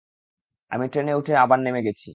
আমি ট্রেনে উঠে আবার নেমে গেছি।